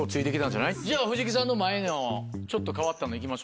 じゃあ藤木さんの前のちょっと変わったの行きましょうか。